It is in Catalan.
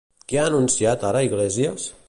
Què ha anunciat ara Iglesias?